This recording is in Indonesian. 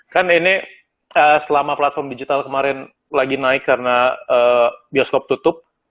kan ini selama platform digital kemarin lagi naik karena bioskop tutup